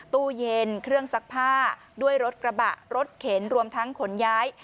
ตู้เย็นเครื่องซักผ้าด้วยรถกระบะรถเข็นรวมทั้งขนย้าย